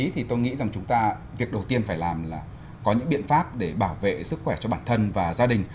thì tôi nghĩ việc đầu tiên phải làm là có những biện pháp để bảo vệ sức khỏe cho bản thân và gia đình